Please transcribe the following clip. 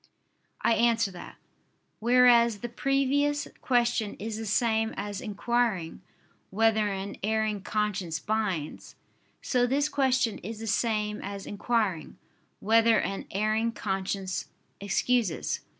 I answer that, Whereas the previous question is the same as inquiring "whether an erring conscience binds"; so this question is the same as inquiring "whether an erring conscience excuses."